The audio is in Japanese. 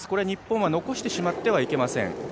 日本は残してしまってはいけません。